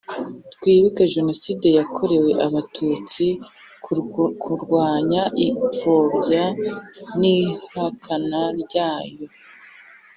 Twibuke Jenoside yakorewe Abatutsi turwanya ipfobya n ihakana ryayo